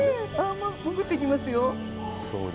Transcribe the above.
もぐっていきますよ。